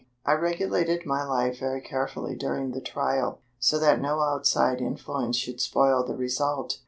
I regulated my life very carefully during the trial, so that no outside influence should spoil the result.